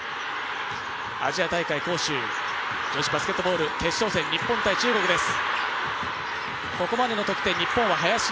アジア大会杭州、女子バスケットボール日本×中国です。